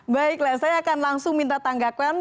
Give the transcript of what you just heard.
baiklah saya akan langsung minta tanggapan